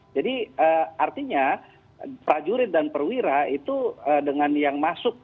jadi artinya prajurit dan perwira itu dengan yang masuk